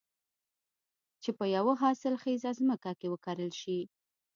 چې په يوه حاصل خېزه ځمکه کې وکرل شي.